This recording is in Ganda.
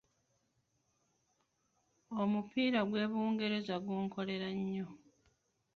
Omupiira gw’e Bungererza gunkolera nnyo.